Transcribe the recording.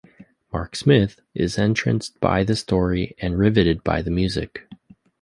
Mark Smith is entranced by the story, and rivetted by the music.